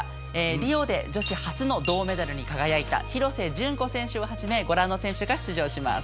リオで女子初の銅メダルに輝いた廣瀬順子選手をはじめご覧の選手が出場します。